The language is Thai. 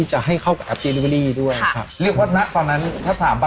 ใช่เขาโทษด้วยครับ